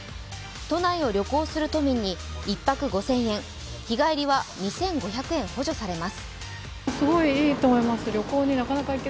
都内を旅行する都民に１泊５０００円、日帰りは２５００円補助します。